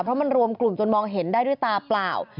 เพราะมันรวมกลุ่มจนมองเห็นได้ด้วยตาเปล่า